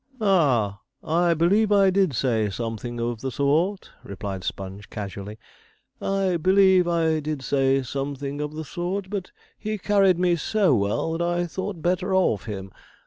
'Ah! I believe I did say something of the sort,' replied Sponge casually 'I believe I did say something of the sort; but he carried me so well that I thought better of him.